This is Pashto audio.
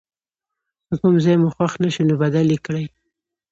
که کوم ځای مو خوښ نه شو نو بدل یې کړئ.